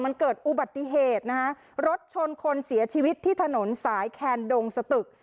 มันเกิดอุบัติเหตุนะฮะรถชนคนเสียชีวิตที่ถนนสายแคนดงสตึก